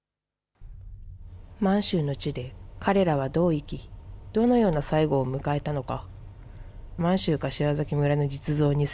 満州の地で彼らはどう生き、どのような最後を迎えたのか。